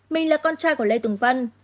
mình là con trai của lê tùng vân